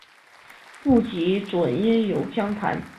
不及淮阴有将坛。